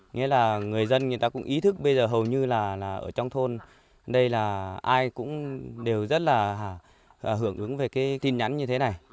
nghĩa là người dân người ta cũng ý thức bây giờ hầu như là ở trong thôn đây là ai cũng đều rất là hưởng ứng về cái tin nhắn như thế này